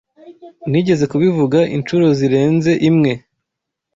Nigeze kubivuga inshuro zirenze imwe. (AlanF_US)